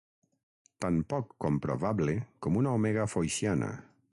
Tan poc comprovable com una omega foixiana.